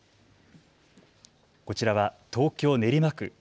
こちらは東京練馬区。